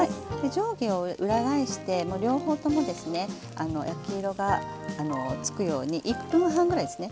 上下を裏返して両方ともですね焼き色が付くように１分半ぐらいですね